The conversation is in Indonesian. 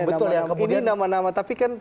betul ya kemudian nama nama tapi kan